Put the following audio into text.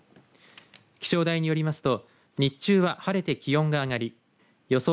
気象台によりますと日中は晴れて気温が上がり予想